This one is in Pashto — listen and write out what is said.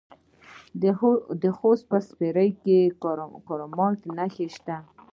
د خوست په سپیره کې د کرومایټ نښې شته.